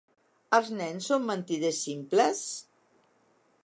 Els nens són mentiders simples?